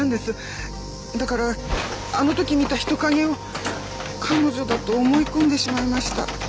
だからあの時見た人影を彼女だと思い込んでしまいました。